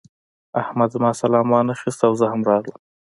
احمد زما سلام وانخيست او زه هم راغلم.